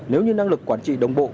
nếu như năng lực quản trị đồng bộ